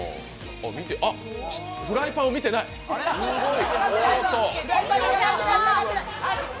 あっ、フライパンを見てない、すごい。